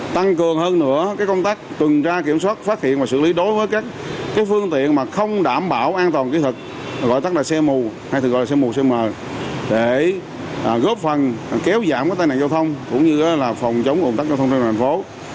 tăng cường hơn nữa công tác tuần tra kiểm soát phát hiện và xử lý đối với các phương tiện không đảm bảo an toàn kỹ thuật gọi tắt là xe mù hay gọi là xe mù xe mờ để góp phần kéo giảm tai nạn giao thông cũng như là phòng chống công tác giao thông trên thành phố